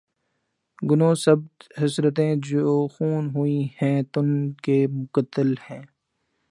گنو سب حسرتیں جو خوں ہوئی ہیں تن کے مقتل میں